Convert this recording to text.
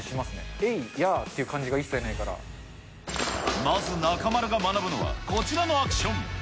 えい、やーっていう感じが一切なまず、中丸が学ぶのは、こちらのアクション。